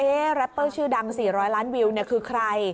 แรปเปอร์ชื่อดัง๔๐๐ล้านวิวคือใคร